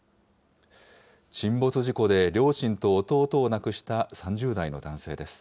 沈没事故で両親と弟を亡くした３０代の男性です。